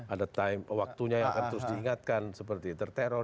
ada time waktunya yang harus diingatkan seperti ter teror